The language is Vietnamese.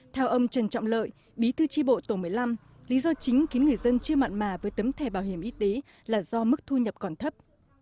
theo ông trần trọng lợi bí thư tri bộ tổ một mươi năm lý do chính khiến người dân chưa mặn mà với tấm thẻ bảo hiểm y tế là do mức thu nhập còn thấp